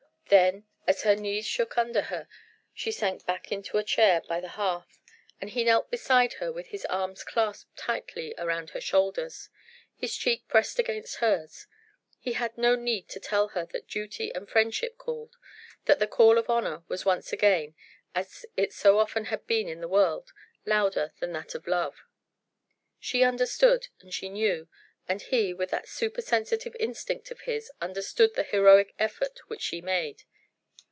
Then, as her knees shook under her, she sank back into a chair by the hearth and he knelt beside her with his arms clasped tightly round her shoulders, his cheek pressed against hers. He had no need to tell her that duty and friendship called, that the call of honour was once again as it so often has been in the world louder than that of love. She understood and she knew, and he, with that supersensitive instinct of his, understood the heroic effort which she made.